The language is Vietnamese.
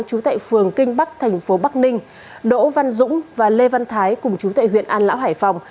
chú tại phường kinh bắc tp bắc ninh đỗ văn dũng và lê văn thái cùng chú tại huyện an lão hải phòng